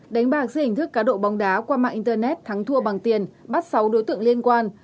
đánh bạc dưới hình thức cá độ bóng đá qua mạng internet thắng thua bằng tiền bắt sáu đối tượng liên quan